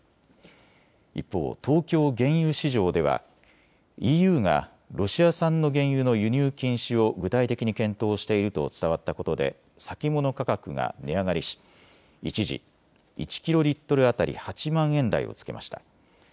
一方、東京原油市場ではＥＵがロシア産の原油の輸入禁止を具体的に検討していると伝わったことで先物価格が値上がりし一時１キロリットル当たり８万円台をつけました。